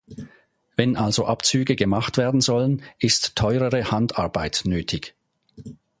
Wenn also Abzüge gemacht werden sollen, ist teurere Handarbeit nötig.